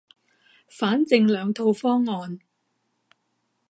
反正兩套方案